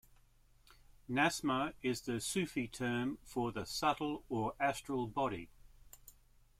Nasma is the Sufi term for the subtle or Astral Body.